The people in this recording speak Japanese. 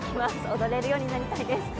踊れるようになりたいです。